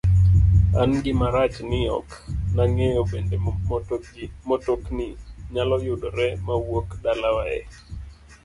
an gima rach ni ok nang'eyo kabende motokni nyalo yudore mawuok dalawa e